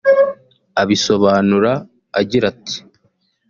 Abisobanura agira ati